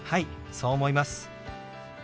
そう思います。